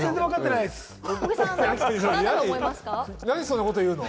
なんでそんなこと言うの？